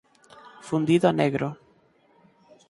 Fundido a negro